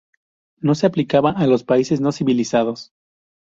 No se aplicaba a los países no civilizados.